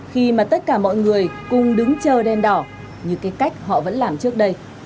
khi mà tất cả mọi người cùng đứng chờ đen đỏ như cái cách họ vẫn làm trước đây